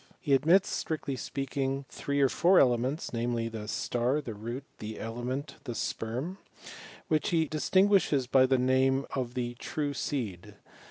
He admits, strictly speaking, three or four elements ; namely, the star, the root, the element, the spermy which he distinguishes by the name of the true seed.